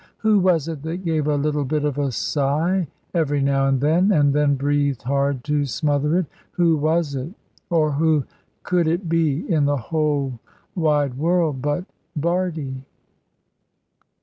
Who was it that gave a little bit of a sigh, every now and then, and then breathed hard to smother it? Who was it, or who could it be, in the whole wide world, but Bardie?